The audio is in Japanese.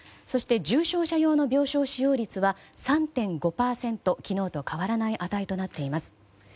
そして、重症者用の病床使用率は３．５％と昨日と変わらない値となっています。